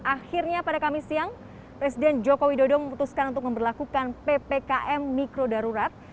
akhirnya pada kamis siang presiden joko widodo memutuskan untuk memperlakukan ppkm mikro darurat